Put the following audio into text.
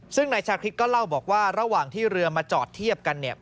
ซึ่งนายชาคริสก็เล่าบอกว่าระหว่างที่เรือมาจอดเทียบกันเนี่ย